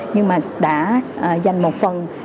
nhưng mà đã dành một phần